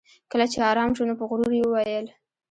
کله چې ارام شو نو په غرور یې وویل